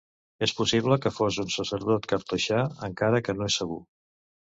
És possible que fos un sacerdot cartoixà, encara que no és segur.